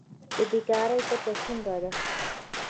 د بیکارۍ کچه څومره ده؟